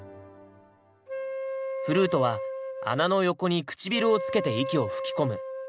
フルートは穴の横に唇をつけて息を吹き込む。